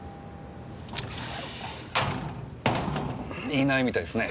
いないみたいっすね。